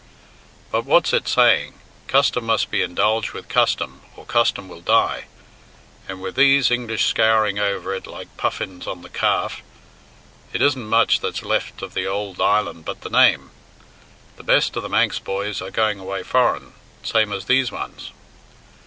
But what's it saying, 'Custom must be indulged with custom, or custom will die?' And with these English scouring over it like puffins on the Calf, it isn't much that's left of the ould island but the name. The best of the Manx boys are going away foreign, same as these ones."